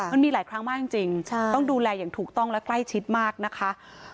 มันมีหลายครั้งมากจริงต้องดูแลอย่างถูกต้องและใกล้ชิดมากนะคะ